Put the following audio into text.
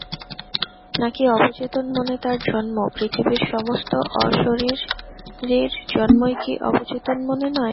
নাকি অবচেতন মনে তার জন্মঃ পৃথিবীর সমস্ত অশরীরীর জন্মই কি অবচেতন মনে নয়?